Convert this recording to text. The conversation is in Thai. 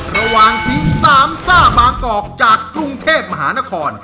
ระหว่างทีมสามซ่าบางกอกจากกรุงเทพมหานคร